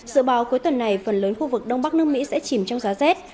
dự báo cuối tuần này phần lớn khu vực đông bắc nước mỹ sẽ chìm trong giá rét